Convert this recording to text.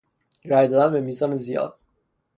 رای دادن به میزان زیاد